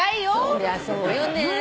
そりゃあそうよね。